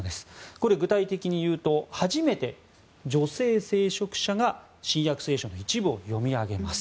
これ具体的に言うと初めて女性聖職者が「新約聖書」の一部を読み上げます。